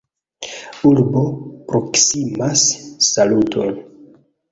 Urbo proksimas Saluton!